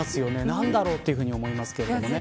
何だろうと思いますけどね。